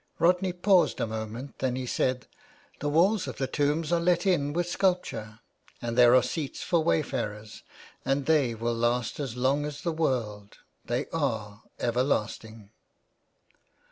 Rodney paused a moment and then he said, *' The walls of 398 THE WAY BACK. the tombs are let in with sculpture, and there are seats for wayfarers, and they will last as long as the world — they are everlasting."